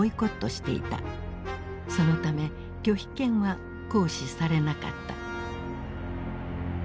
そのため拒否権は行使されなかった。